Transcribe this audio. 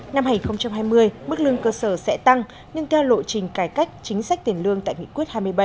năm hai nghìn hai mươi mức lương cơ sở sẽ tăng nhưng theo lộ trình cải cách chính sách tiền lương tại nghị quyết hai mươi bảy